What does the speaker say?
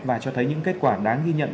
và cho thấy những kết quả đáng ghi nhận